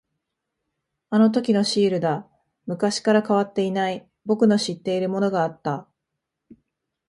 あのときのシールだ。昔から変わっていない、僕の知っているものがあった。